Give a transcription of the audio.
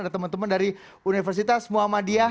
ada teman teman dari universitas muhammadiyah